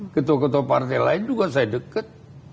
ketua ketua partai lain juga saya dekat